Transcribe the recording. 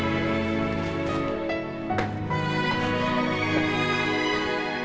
masih jangan kejar